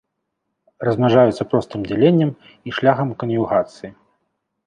Размнажаюцца простым дзяленнем і шляхам кан'югацыі.